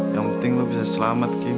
yang penting lo bisa selamat kini